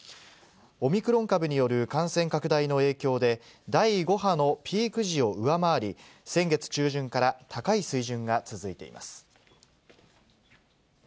オミクロン株による感染拡大の影響で、第５波のピーク時を上回り、先月中旬から高い水準が続いています。